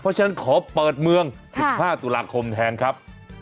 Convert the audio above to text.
เพราะฉะนั้นขอเปิดเมือง๑๕ตุลาคมแทนครับ